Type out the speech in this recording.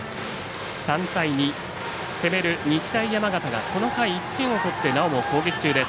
３対２、攻める日大山形がこの回、１点を取ってなおも攻撃中です。